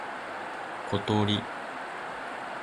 ことり